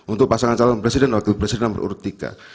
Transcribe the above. untuk pasangan calon presiden dan wakil presiden nomor urut tiga